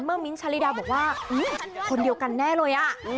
เมื่อมิ้งชาลีดาบอกว่าคนเดียวกันแน่เลยอ่ะ